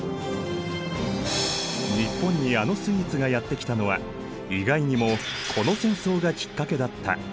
日本にあのスイーツがやって来たのは意外にもこの戦争がきっかけだった。